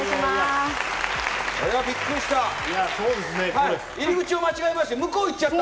これはびっくりした。